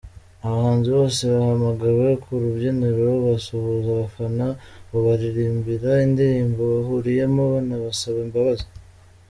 Abahanzi bose bahamagawe ku rubyiniro basuhuza abafana babaririmbira indirimbo bahuriyemo banabasaba imbabazi.